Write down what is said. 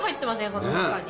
この中に。